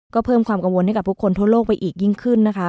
ก็เพิ่มความกังวลให้กับผู้คนทั่วโลกไปอีกยิ่งขึ้นนะคะ